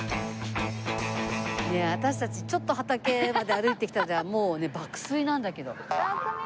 私たちちょっと畑まで歩いてきたらもうね爆睡なんだけど。